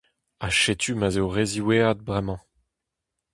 Ha setu ma'z eo re ziwezhat bremañ.